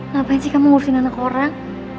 ngapain sih kamu ngurusin anak orang